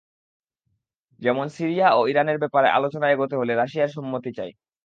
যেমন, সিরিয়া ও ইরানের ব্যাপারে আলোচনা এগোতে হলে রাশিয়ার সম্মতি চাই।